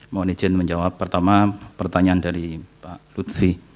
mohon izin menjawab pertama pertanyaan dari pak lutfi apakah hanya hasil